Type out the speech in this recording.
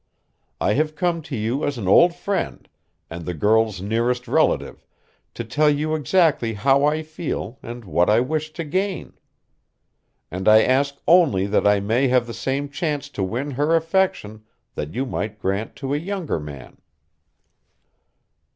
I have come to you as an old friend and the girl's nearest relative to tell you exactly how I feel and what I wish to gain. And I ask only that I may have the same chance to win her affection that you might grant to a younger man."